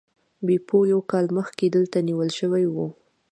بیپو یو کال مخکې دلته نیول شوی و.